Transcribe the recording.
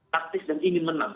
praktis dan ingin menang